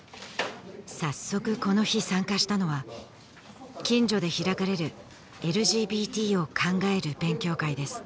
早速この日参加したのは近所で開かれるＬＧＢＴを考える勉強会です